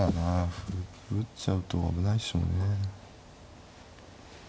歩打っちゃうと危ないでしょうね。